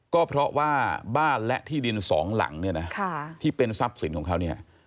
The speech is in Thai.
ก็เพราะว่าบ้านและที่ดินสองหลังเนี่ยนะที่เป็นทรัพย์สินของเขาเนี่ย